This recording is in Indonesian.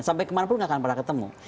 sampai kemana pun nggak akan pernah ketemu